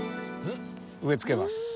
植えつけます。